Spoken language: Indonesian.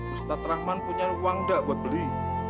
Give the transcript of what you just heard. ustadz rahman punya uang enggak buat beli